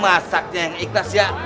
masaknya yang ikhlas ya